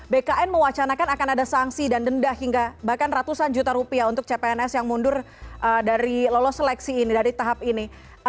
bkn mewacanakan akan ada sanksi dan denda hingga bahkan ratusan juta rupiah untuk cpns yang mundur dari lolos seleksi ini dari tahap ini